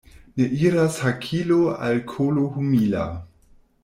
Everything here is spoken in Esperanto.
Ne iras hakilo al kolo humila.